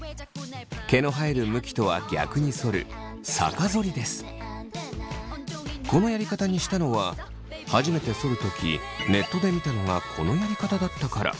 毛の生える向きとは逆にそるこのやり方にしたのは初めてそる時「ネットで見たのがこのやり方だったから」